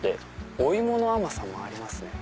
お芋の甘さもありますね！